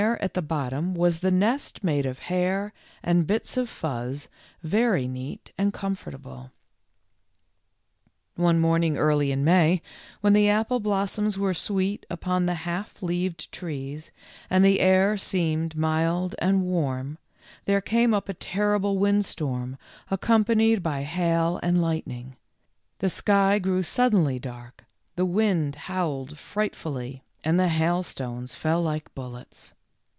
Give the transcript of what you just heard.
at the bottom was the nest made of hair and bits of fuzz, very neat and comfortable One morning early in May, when the apple blossoms were sweet upon the half leaved trees, and the air seemed mild and warm, there came up a terrible wind storm accompanied by hail and lightning. The sky grew suddenly dark, the wind howled frightfully, and the hailstones fell like bullets.